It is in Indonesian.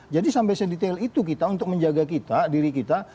jadi sampai sedetail itu kita untuk menjaga kita diri kita